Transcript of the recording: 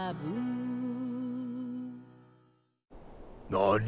何？